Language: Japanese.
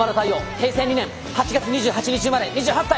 平成２年８月２８日生まれ２８歳！